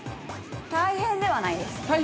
◆大変ではないです。